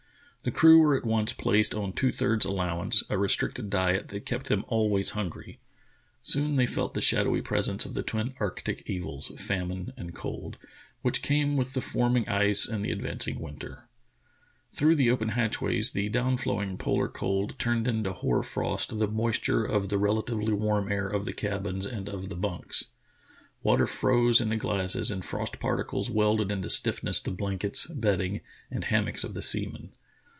The crew were at once placed on two thirds allowance, a restricted diet that kept them always hungry. Soon they felt the shadowy pres 76 True Tales of Arctic Heroism ence of the twin arctic evils, famine and cold, which came with the forming ice and the advancing winter. Through the open hatchways the down flowing polar cold turned into hoar frost the moisture of the relatively warm air of the cabins and of the bunks. Water froze in the glasses and frost particles welded into stiffness the blankets, bedding, and hammocks of the seamen.